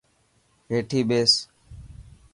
هيٺي ٻيٺس.